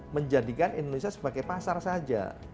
menjadikan indonesia sebagai pasar saja